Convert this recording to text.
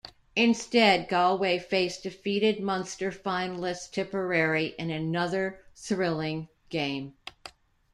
Instead Galway faced defeated Munster finalsists Tipperary in another thrilling game.